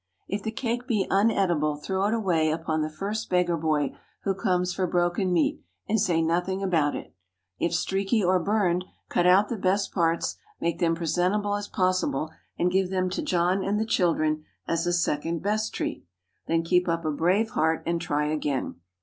If the cake be uneatable, throw it away upon the first beggar boy who comes for broken meat, and say nothing about it. If streaky or burned, cut out the best parts, make them presentable as possible, and give them to John and the children as a "second best" treat. Then keep up a brave heart and try again.